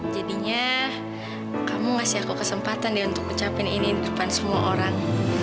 jadinya kamu kasih aku kesempatan deh untuk ngucapin ini di depan semua orang